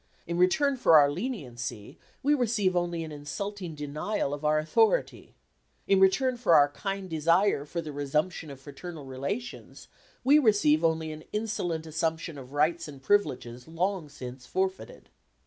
In return for our leniency we receive only an insulting denial of our authority. In return for our kind desire for the resumption of fraternal relations we receive only an insolent assumption of rights and privileges long since forfeited.